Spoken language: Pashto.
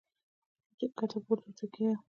چې ښکته پورته ورته کېږم -